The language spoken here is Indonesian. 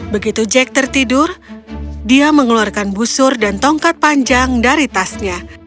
begitu jack tertidur dia mengeluarkan busur dan tongkat panjang dari tasnya